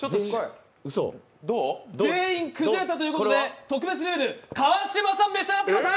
全員崩れたということで特別ルール、川島さん召し上がってください。